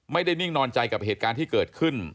นิ่งนอนใจกับเหตุการณ์ที่เกิดขึ้น